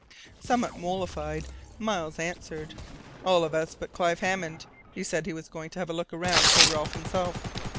Somewhat mollified, Miles answered: "All of us but Clive Hammond. He said he was going to have a look around for Ralph himself.